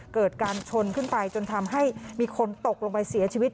เกิดการชนขึ้นไปจนทำให้มีคนตกลงไปเสียชีวิต